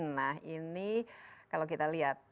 nah ini kalau kita lihat